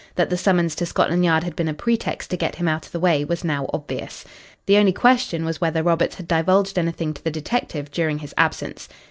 That the summons to Scotland Yard had been a pretext to get him out of the way was now obvious. The only question was whether Roberts had divulged anything to the detective during his absence.